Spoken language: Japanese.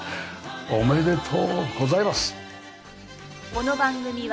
おめでとうございます。